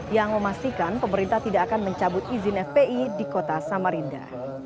yang memastikan pemerintah tidak akan mencabut izin fpi di kota samarinda